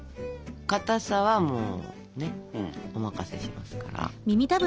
かたさはもうねお任せしますから。